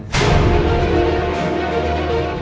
ความทรงจำ